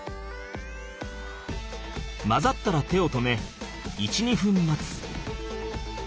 混ざったら手を止め１２分待つ。